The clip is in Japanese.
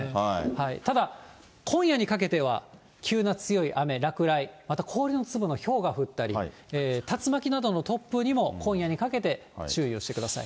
ただ、今夜にかけては、急な強い雨、落雷、あと氷の粒のひょうが降ったり、竜巻などの突風にも、今夜にかけて注意をしてください。